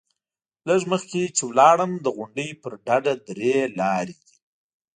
لږ مخکې چې لاړم، د غونډۍ پر ډډه درې لارې دي.